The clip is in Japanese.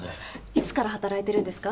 いつから働いてるんですか？